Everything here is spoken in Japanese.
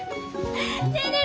ねえねえ